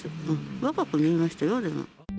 若く見えましたよ、でも。